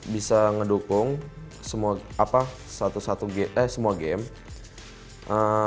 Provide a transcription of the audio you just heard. bisa ngedukung semua game